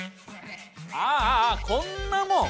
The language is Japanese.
あああこんなもん。